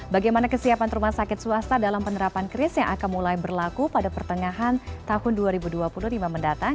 bagaimana kesiapan rumah sakit swasta dalam penerapan kris yang akan mulai berlaku pada pertengahan tahun dua ribu dua puluh lima mendatang